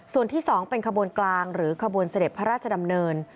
ส่วนที่๒เป็นขบวนกลางหรือขบวนเสด็จพระราชดำเนิน